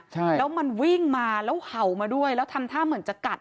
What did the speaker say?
ใช่แล้วมันวิ่งมาแล้วเห่ามาด้วยแล้วทำท่าเหมือนจะกัด